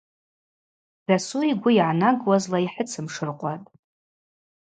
Дасу йгвы йгӏанагуазла йхӏыцымшыркъватӏ.